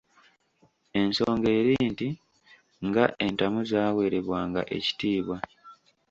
Ensonga eri nti nga entamu zaaweebwanga ekitiibwa.